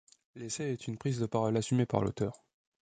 L'essai est une prise de parole assumée par l'auteur.